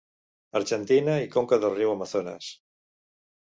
Argentina i conca del riu Amazones.